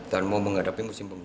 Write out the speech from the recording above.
dan mau menghadapi musim pembuluh